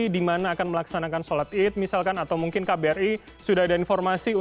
di mana akan melaksanakan sholat id misalkan atau mungkin kbri sudah ada informasi